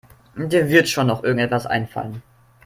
Dir wird schon noch irgendetwas einfallen.